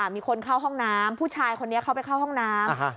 มีคนเข้าห้องน้ำผู้ชายคนนี้เข้าไปเข้าห้องน้ำ